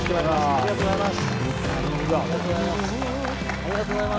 ありがとうございます。